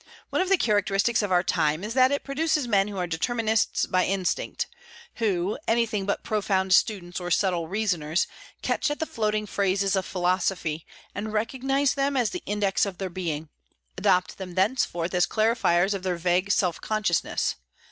One of the characteristics of our time is that it produces men who are determinists by instinct; who, anything but profound students or subtle reasoners, catch at the floating phrases of philosophy and recognize them as the index of their being, adopt them thenceforth as clarifiers of their vague self consciousness.